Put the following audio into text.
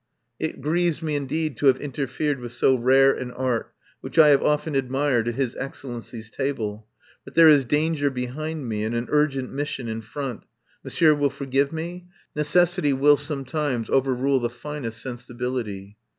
"It grieves me indeed to have interfered with so rare an art, which I have often ad mired at His Excellency's table. But there is danger behind me and an urgent mission in front. Monsieur will forgive me? Neces 180 I FIND SANCTUARY sity will, sometimes, overrule the finest sen sibility."